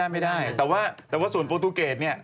ไม่ได้แต่ว่าส่วนปอล์ทูเกจนี่